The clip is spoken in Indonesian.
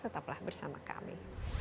tetaplah bersama kami